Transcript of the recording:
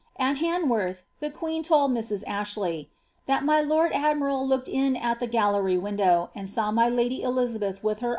At llanworth, the queen told Mrs. Ashley ^ that my lord admiral looked in at the gallery window, and saw my lady Elizabeth witii her 'Bliriiet.